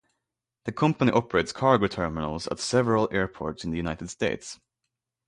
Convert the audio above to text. The company operates cargo terminals at several airports in the United States.